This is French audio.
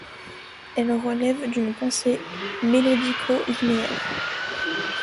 Elles relèvent d'une pensée mélodico-linéaire.